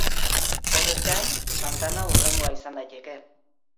Horrez gain, Santana hurrengoa izan daiteke.